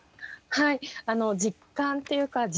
はい実感っていうか